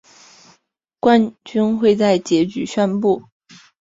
冠军会在结局宣布。